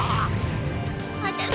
私。